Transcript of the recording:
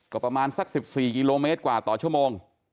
ก็ประมาณสัก๑๔กิโลเมตรกว่าต่อชั่วโมง